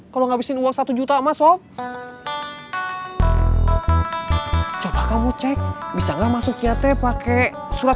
kalau ngabisin uang satu juta emas sob coba kamu cek bisa enggak masuknya teh pakai surat